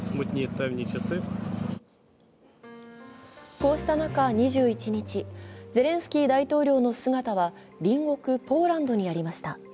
こうした中、２１日、ゼレンスキー大統領の姿は隣国ポーランドにありました。